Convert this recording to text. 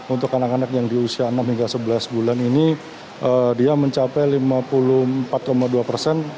untuk anak anak yang di usia enam hingga sebelas bulan ini dia mencapai lima puluh empat dua persen